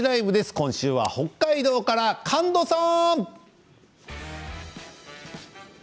今週は北海道から神門さん。